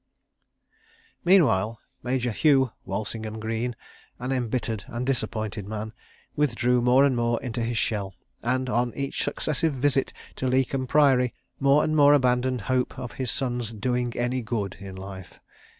Meanwhile, Major Hugh Walsingham Greene, an embittered and disappointed man, withdrew more and more into his shell, and, on each successive visit to Leighcombe Priory, more and more abandoned hope of his son's "doing any good" in life.